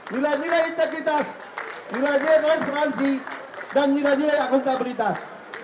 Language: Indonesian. nilai nilai integritas nilai nilai transparansi dan nilai nilai akuntabilitas